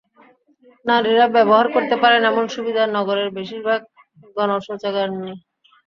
নারীরা ব্যবহার করতে পারেন, এমন সুবিধা নগরের বেশির ভাগ গণশৌচাগারে নেই।